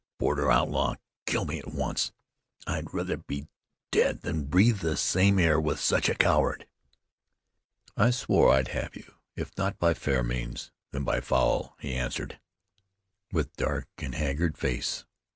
Border outlaw! Kill me at once. I'd rather be dead than breathe the same air with such a coward!" "I swore I'd have you, if not by fair means then by foul," he answered, with dark and haggard face.